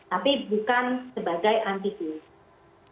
tapi bukan sebagai antivirus